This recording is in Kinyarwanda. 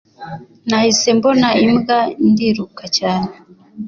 Nahise mbona imbwa ndiruka cyane